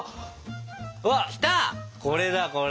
あこれだこれ！